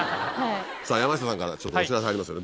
さぁ山下さんからお知らせありますよね